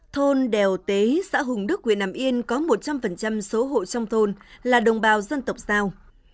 thôn đèo tế xã hùng đức nguyễn nam yên có một trăm linh số hộ trong thôn là đồng bào dân tộc sao